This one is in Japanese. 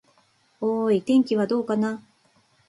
おーーい、天気はどうかな。